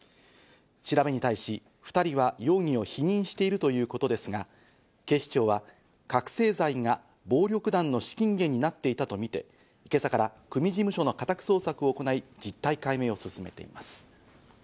調べに対し２人は容疑を否認しているということですが、警視庁は覚醒剤が暴力団の資金源になっていたとみて今朝から組事務所の家宅捜索を行い、実態解明を進めています。